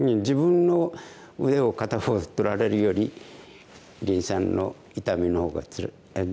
自分の腕を片方取られるより林さんの痛みの方がつらい。